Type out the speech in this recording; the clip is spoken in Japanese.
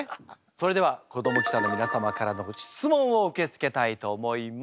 それでは子ども記者の皆様からの質問を受け付けたいと思います。